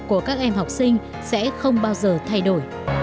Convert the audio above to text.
của các em học sinh sẽ không bao giờ thay đổi